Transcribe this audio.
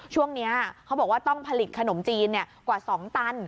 ช่วงนี้เขาบอกว่าต้องผลิตขนมจีนกว่า๒ตัน